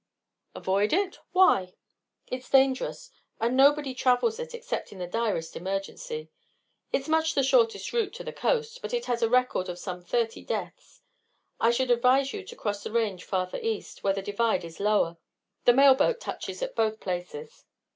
"Avoid it? Why?" "It's dangerous, and nobody travels it except in the direst emergency. It's much the shortest route to the coast, but it has a record of some thirty deaths. I should advise you to cross the range farther east, where the divide is lower. The mail boat touches at both places."